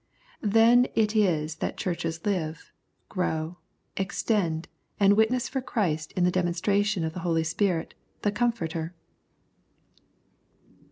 Then it is that Churches live, grov^, extend, and witness for Christ in the de monstration of the Holy Spirit the " Com forter."